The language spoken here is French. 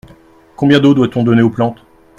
Combien d’eau doit-on donner aux plantes ?